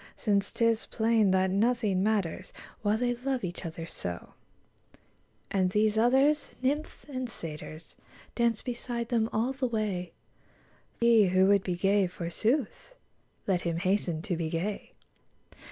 Since 'tis plain that nothing matters While they love each other so ; And these others, nymphs and satyrs, Dance beside them all the way : He who would be gay, forsooth, Let him hasten to be gay.